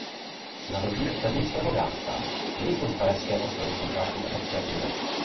Na rozdíl od pevninského Dánska nejsou Faerské ostrovy součástí Evropské unie.